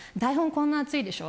こんな厚いでしょ。